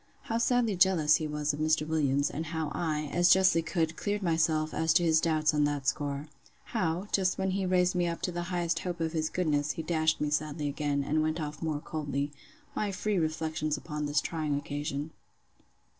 How sadly jealous he was of Mr. Williams; and how I, as justly could, cleared myself as to his doubts on that score. How, just when he had raised me up to the highest hope of his goodness, he dashed me sadly again, and went off more coldly. My free reflections upon this trying occasion.